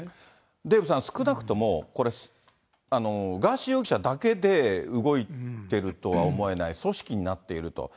デーブさん、少なくともこれ、ガーシー容疑者だけで動いてるとは思えない、組織になっていると。